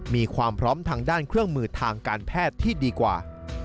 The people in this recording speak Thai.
มีความพร้อมทางด้านเครื่องมือทางการแพทย์ที่ดีกว่า